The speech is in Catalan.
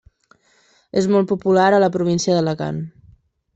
És molt popular a la província d'Alacant.